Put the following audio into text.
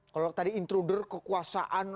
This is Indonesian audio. kalau tadi intruder kekuasaan